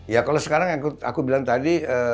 ya kalau sekarang yang aku bilang tadi